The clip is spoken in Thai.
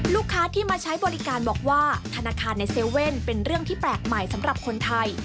ลูกค้าที่มาใช้บริการบอกว่าธนาคารใน๗๑๑เป็นเรื่องที่แปลกใหม่สำหรับคนไทย